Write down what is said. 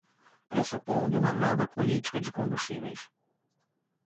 Pressupondo uma nova política de combustíveis